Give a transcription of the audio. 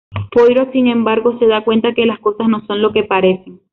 Poirot, sin embargo, se da cuenta que las cosas no son lo que parecen.